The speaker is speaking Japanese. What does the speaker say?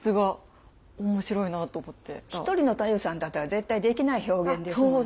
一人の太夫さんだったら絶対できない表現ですもんね。